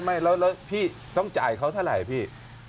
ไม่แล้วพี่ต้องจ่ายเขาเท่าไหร่พี่